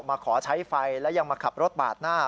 มาขอใช้ไฟและยังมาขับรถปาดหน้า